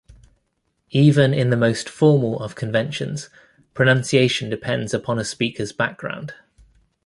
Even in the most formal of conventions, pronunciation depends upon a speaker's background.